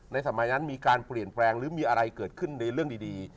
สมัยนั้นมีการเปลี่ยนแปลงหรือมีอะไรเกิดขึ้นในเรื่องดี